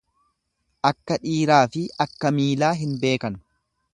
Akka dhiiraafi akka miilaa hin beekan.